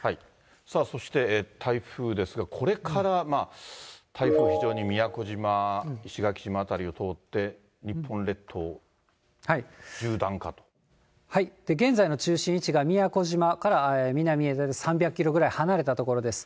そして台風ですが、これから台風、非常に宮古島、石垣島辺りを通って、日本列島、縦断かと。現在の中心位置が、宮古島から南へ大体大体３００キロぐらい離れた所です。